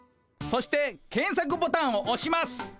そして検索ボタンをおします。